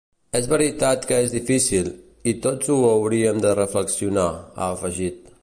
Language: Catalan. És veritat que és difícil, i tots ho hauríem de reflexionar, ha afegit.